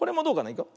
いくよ。